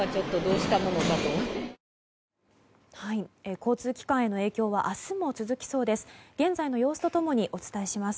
交通機関への影響は明日も続きそうです。